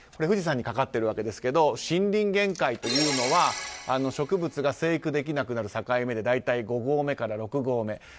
富士山にかかっているわけですが森林限界というのは植物が生育できなくなる境目で大体５合目から６合目。